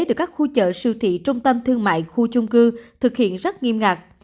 được các khu chợ siêu thị trung tâm thương mại khu chung cư thực hiện rất nghiêm ngặt